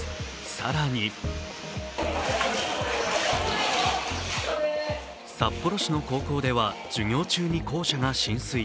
更に札幌市の高校では授業中に校舎が浸水。